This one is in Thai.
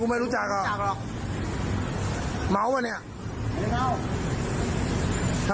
มึงเดินไปจากไหนอ่ะ